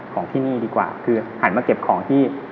ของที่นี่ดีกว่าคือหันมาเก็บของที่